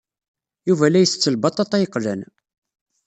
Yuba la isett lbaṭaṭa yeqlan.